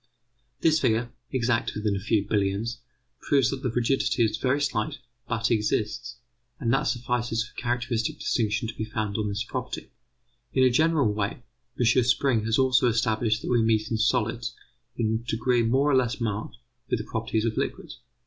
This figure, exact within a few billions, proves that the rigidity is very slight, but exists; and that suffices for a characteristic distinction to be founded on this property. In a general way, M. Spring has also established that we meet in solids, in a degree more or less marked, with the properties of liquids.